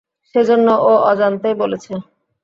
সেজন্য, ও অজান্তেই বলেছে।